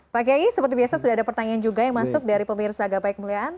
pak kiai seperti biasa sudah ada pertanyaan juga yang masuk dari pemirsa gapai kemuliaan